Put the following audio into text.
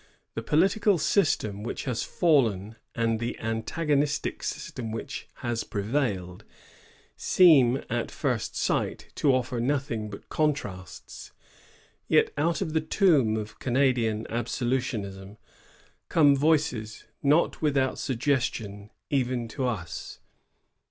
The political system which has fallen, and the antagonistic system which has pre^ied, «em, »t L right, to o«er nothmg but contrasts ; yet out of the tomb of Canadian absolutism come voices not without suggestion X PREFACE. even to us.